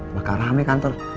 bakal rame kantor